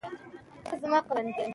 په دوا چي یې رڼا سوې دواړي سترګي